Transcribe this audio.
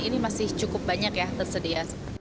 ini masih cukup banyak ya tersedia